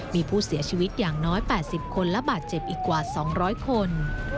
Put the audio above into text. มีผู้เสียชีวิตอย่างน้อย๘๐คนและบาดเจ็บอีกกว่า๒๐๐คน